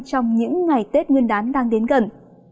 trong những ngày tết nguyên đán đang đến gần